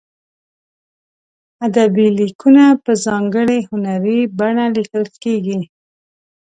ادبي لیکونه په ځانګړې هنري بڼه لیکل کیږي.